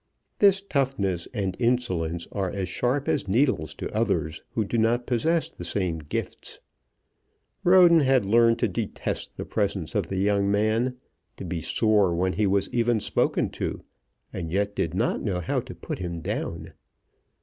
This toughness and insolence are as sharp as needles to others who do not possess the same gifts. Roden had learned to detest the presence of the young man, to be sore when he was even spoken to, and yet did not know how to put him down.